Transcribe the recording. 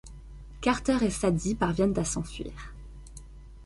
Carter et Sadie parviennent à s'enfuir.